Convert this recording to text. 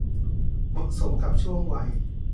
เหมาะสมกับช่วงวัย